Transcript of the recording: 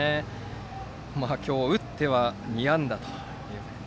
今日、打っては２安打と。